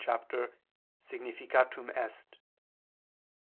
cap. Significatum est.).